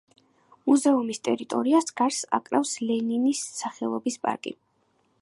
მუზეუმის ტერიტორიას გარს აკრავს ლენინის სახელობის პარკი.